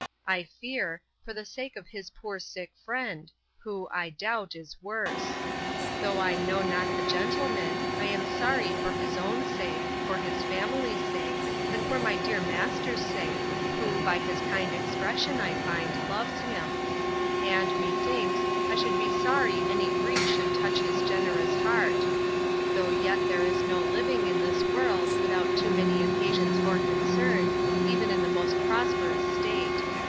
I fear, for the sake of his poor sick friend, who, I doubt, is worse. Though I know not the gentleman, I am sorry for his own sake, for his family's sake, and for my dear master's sake, who, by his kind expressions, I find, loves him: And, methinks, I should be sorry any grief should touch his generous heart; though yet there is no living in this world, without too many occasions for concern, even in the most prosperous state.